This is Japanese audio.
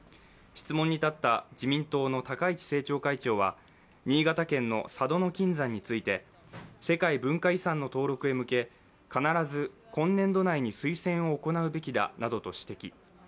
質問に立った自民党の高市政調会長は新潟県の佐渡島の金山について世界文化遺産の登録へ向け、必ず今年度内に推薦を行うべきだなどと指摘。